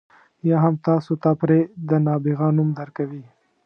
یا هم تاسو ته پرې د نابغه نوم درکوي.